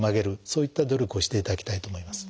そういった努力をしていただきたいと思います。